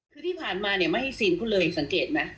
คือที่ผ่านมาเนี่ยไม่ให้ซีนพูดเลยสังเกตไหม